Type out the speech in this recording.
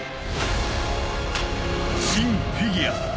シン・フィギュア。